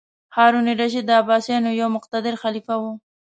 هارون الرشید د عباسیانو یو مقتدر خلیفه و.